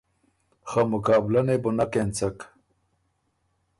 خه مقابلۀ نې بو نک اېنڅک۔